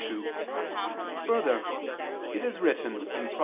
2: Further, it is written (Prov.